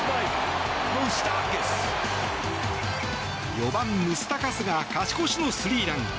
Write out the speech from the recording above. ４番、ムスタカスが勝ち越しのスリーラン。